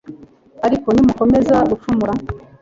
ariko nimukomeza gucumura